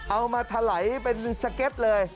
มาถลายเป็นสเก็ตเลย